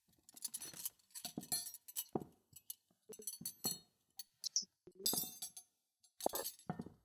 ya baada ya uchaguzi mkuu uliopita kusikilizwa huko